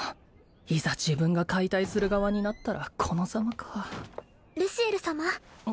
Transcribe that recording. いざ自分が解体する側になったらこのザマかルシエル様